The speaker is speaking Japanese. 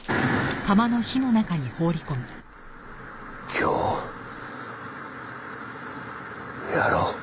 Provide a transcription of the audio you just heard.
今日やろう。